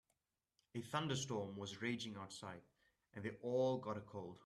A thunderstorm was raging outside and they all got a cold.